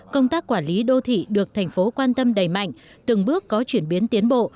công tác quản lý đô thị được thành phố quan tâm đầy mạnh từng bước có chuyển biến tiến bộ